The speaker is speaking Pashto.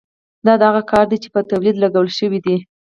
دا هغه کار دی چې په تولید لګول شوی دی